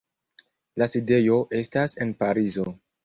La sidejo estas en Parizo.